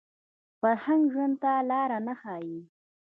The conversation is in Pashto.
فرهنګ ژوند ته لاره نه ښيي